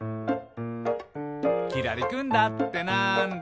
「きらりくんだってなんだ？」